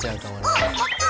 おっやった。